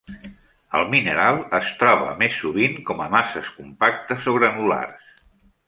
El mineral es troba més sovint com a masses compactes o granulars.